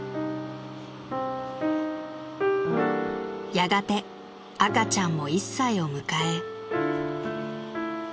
［やがて赤ちゃんも１歳を迎え］